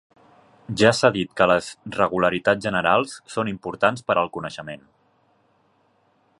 Ja s'ha dit que les regularitats generals són importants per al coneixement.